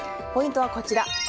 ポイントはこちら。